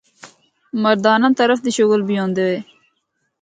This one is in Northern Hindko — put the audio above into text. مردانہ طرف دے شغل بھی ہوندے وے۔